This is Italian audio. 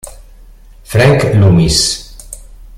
Frank Loomis